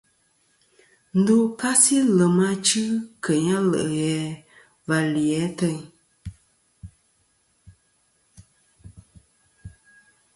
Ndu kasi lem achɨ keyn alè' ghè a và li lì ateyn.